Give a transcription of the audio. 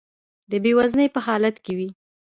د بې وزنۍ په حالت کې وي.